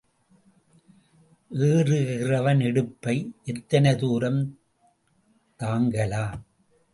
ஏறுகிறவன் இடுப்பை எத்தனை தூரம் தாங்கலாம்?